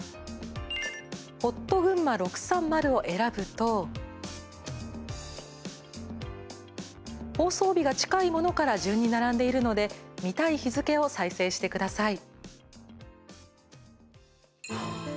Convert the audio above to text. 「ほっとぐんま６３０」を選ぶと放送日が近いものから順に並んでいるので見たい日付を再生してください。